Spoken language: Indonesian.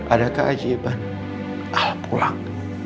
adakah keajaiban alpulang